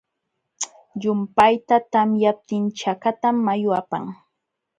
Llumpayta tamyaptin chakatam mayu apan.